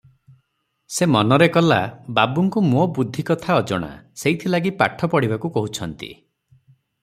ସେ ମନରେ କଲା, ବାବୁଙ୍କୁ ମୋ ବୁଦ୍ଧି କଥା ଅଜଣା, ସେଇଥି ଲାଗି ପାଠ ପଢ଼ିବାକୁ କହୁଛନ୍ତି ।